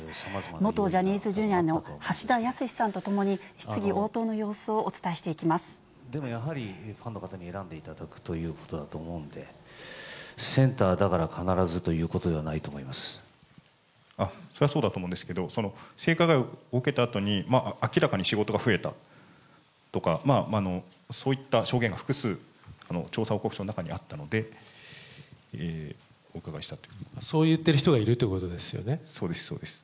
元ジャニーズＪｒ．の橋田康さんと共に、質疑応答の様子をお伝えでもやっぱりファンの方に応援していただくということだと思うんで、センターにいったから必それはそうだと思うんですけど、性加害を受けたあとに、明らかに仕事が増えたとか、そういった証言が複数、調査報告書の中にはあったので、そう言ってる人がいるっていそうですそうです。